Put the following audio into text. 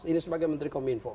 ini sebagai menteri kominfo